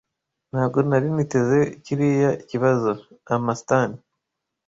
Ntabwo nari niteze kiriya kibazo. (Amastan)